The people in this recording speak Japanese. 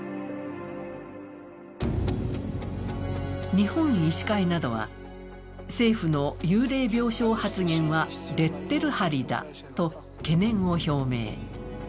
日本医師会などは政府の幽霊病床発言はレッテル貼りだと懸念を表明。